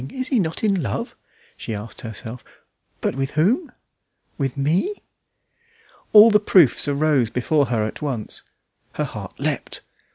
Is he not in love?" she asked herself; "but with whom? With me?" All the proofs arose before her at once; her heart leapt.